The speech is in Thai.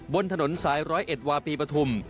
บนถนนสาย๑๐๑วาปีปฐุม